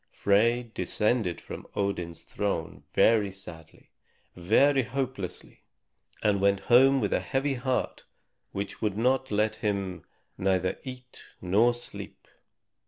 Frey descended from Odin's throne very sadly, very hopelessly, and went home with a heavy heart which would let him neither eat nor sleep.